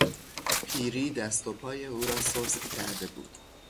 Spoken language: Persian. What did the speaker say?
پیری دست و پای او را سست کرده بود.